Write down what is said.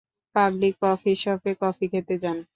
Public coffee শপে coffee খেতে যান।